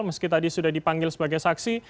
meski tadi sudah dipanggil sebagai saksi